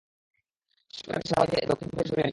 ওদেরকে সেনাবাহিনী দক্ষিণ দিকে সরিয়ে নিচ্ছে!